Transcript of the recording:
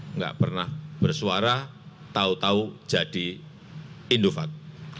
enggak pernah bersuara tau tau jadi indovac